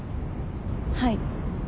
はい。